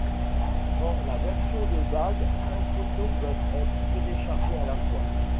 Dans la version de base, cinq photos peuvent être téléchargés à la fois.